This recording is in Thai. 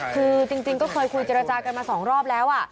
คือจริงก็เคยคุยเจรจากันมา๒รอบแล้ว